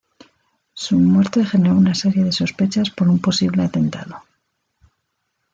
Su muerte generó una serie de sospechas por un posible atentado.